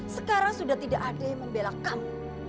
sekarang sudah tidak ada yang membela kamu